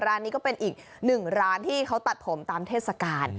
ร้านนี้ก็เป็นอีกหนึ่งร้านที่เขาตัดผมตามเทศกาล